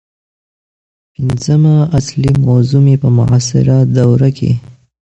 پنځمه اصلي موضوع مې په معاصره دوره کې